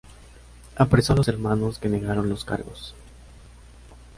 Apresó a los hermanos, que negaron los cargos.